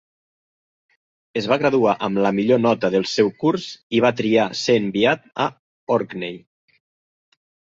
Es va graduar amb la millor nota del seu curs i va triar ser enviat a Orkney.